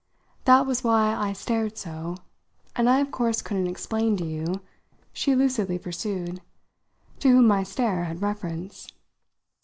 That was why I stared so, and I of course couldn't explain to you," she lucidly pursued, "to whom my stare had reference."